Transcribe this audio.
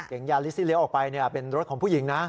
เก๋งยาริสที่เลี้ยวออกไปเนี่ยเป็นรถของผู้หญิงนะ